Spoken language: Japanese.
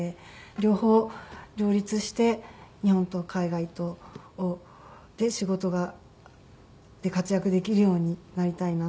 両方両立して日本と海外とで仕事で活躍できるようになりたいなと思っております。